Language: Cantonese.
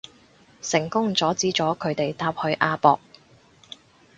成功阻止咗佢哋搭去亞博